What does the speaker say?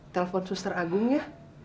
telepon suster agung ya